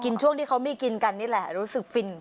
ช่วงที่เขามีกินกันนี่แหละรู้สึกฟิน